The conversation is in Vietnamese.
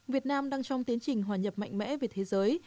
việt nam đang trong tiến trình hòa nhập mạnh mẽ về thế giới